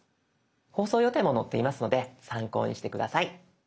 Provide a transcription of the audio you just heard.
放送予定も載っていますので参考にして下さい。